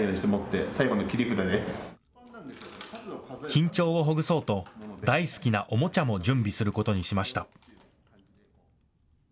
緊張をほぐそうと大好きなおもちゃも準備することにしました。